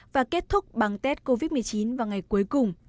và kết thúc bằng tết covid một mươi chín vào ngày cuối cùng